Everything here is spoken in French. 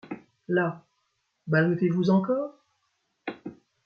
La ! ballottez-vous encores ?